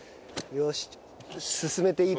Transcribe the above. よし。